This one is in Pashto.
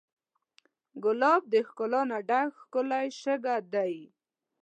ګلاب د ښکلا نه ډک ښکلی شګه دی.